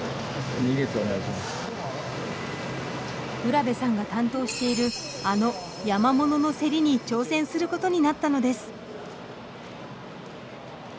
浦辺さんが担当しているあの山ものの競りに挑戦することになったのです。